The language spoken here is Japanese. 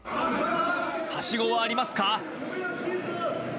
はしごはありますか？